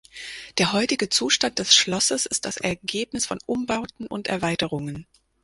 Der heutige Zustand des Schlosses ist das Ergebnis von Umbauten und Erweiterungen.